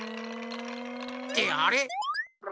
ってあれ？